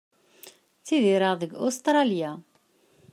Ttidireɣ deg Ustralia.